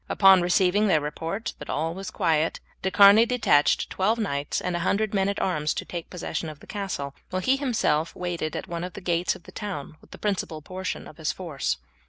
Upon receiving their report that all was quiet De Charny detached twelve knights and a hundred men at arms to take possession of the castle, while he himself waited at one of the gates of the town with the principal portion of his force.